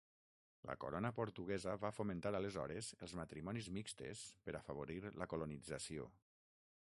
La corona portuguesa va fomentar aleshores els matrimonis mixtes per afavorir la colonització.